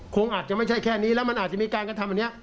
คงอาจจะไม่ใช่แค่นี้แล้วมันอาจจะมีการกระทำอันนี้